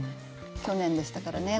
去年でしたからね。